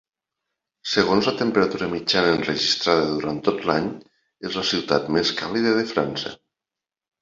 Segons la temperatura mitjana enregistrada durant tot l'any, és la ciutat més càlida de França.